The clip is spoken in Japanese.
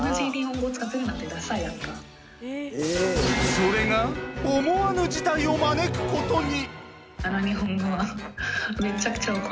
それが思わぬ事態を招くことに。